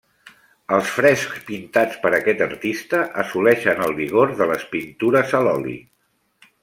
Els frescs pintats per aquest artista assoleixen el vigor de les pintures a l'oli.